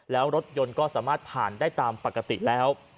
แล้วรถยนต์ก็สามารถผ่านได้ตามปกติแล้ว